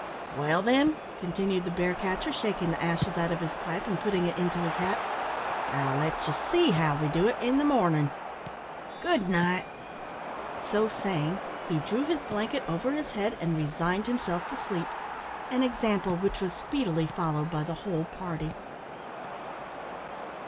"Well, then," continued the bear catcher, shaking the ashes out of his pipe, and putting it into his hat, "I'll let ye see how we do it in the mornin'. Good night." So saying, he drew his blanket over his head and resigned himself to sleep, an example which was speedily followed by the whole party.